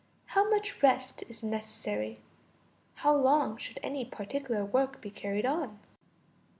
How much rest is necessary? How long should any particular work be carried on?